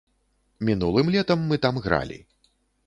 Мінулым летам мы там гралі.